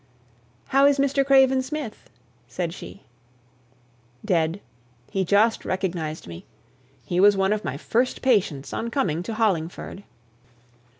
"How is Mr. Craven Smith?" said she. "Dead. He just recognized me. He was one of my first patients on coming to Hollingford."